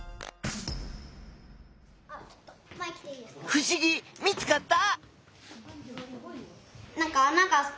ふしぎ見つかった？